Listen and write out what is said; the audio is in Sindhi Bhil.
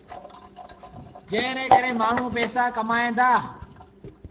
جݩهݩ ري ڪري مآڻهوٚٚݩ پئيٚسآ ڪمائيٚݩ دآ